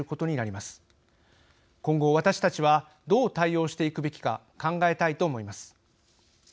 今後私たちはどう対応していくべきか考えたいと思います。